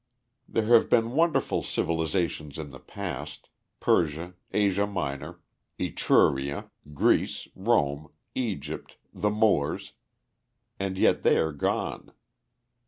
There have been wonderful civilizations in the past, Persia, Asia Minor, Etruria, Greece, Rome, Egypt, the Moors, and yet they are gone.